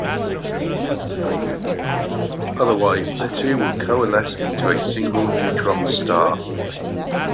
Otherwise, the two will coalesce into a single neutron star.